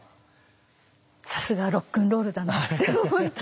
さすがロックンロールだなって思ったり。